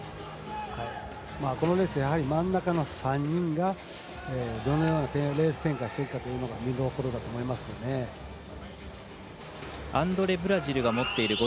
このレースは真ん中の３人がどのようなレース展開をしていくのかというのが見どころだと思いますね。